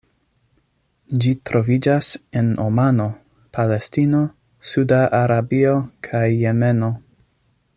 Ĝi troviĝas en Omano, Palestino, Sauda Arabio kaj Jemeno.